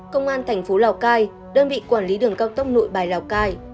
công an tp lào cai đơn vị quản lý đường cao tốc nội bài lào cai